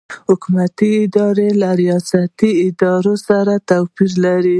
حکومتي ادارې له ریاستي ادارو سره توپیر لري.